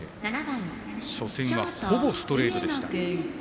初戦はほぼストレートでした。